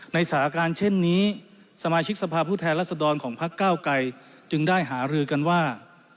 สถานการณ์เช่นนี้สมาชิกสภาพผู้แทนรัศดรของพักเก้าไกรจึงได้หารือกันว่า